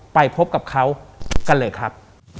ไปพบกับเขากันเลยครับ